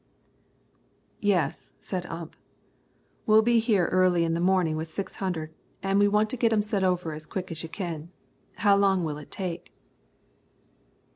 "Yes," said Ump. "We'll be here early in the morning with six hundred, an' we want to git 'em set over as quick as you can. How long will it take?"